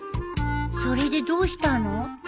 それでどうしたの？